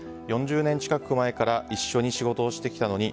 ４０年近く前から一緒に仕事をしてきたのに